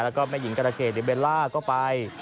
แล้วก็แม่หญิงกรเกดหรือเบลล่าก็ไป